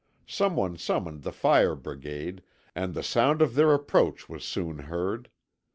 Someone summoned the fire brigade, and the sound of their approach was soon heard.